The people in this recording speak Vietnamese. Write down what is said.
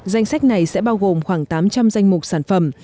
danh sách này sẽ bao gồm khoảng tám trăm linh danh mục sản phẩm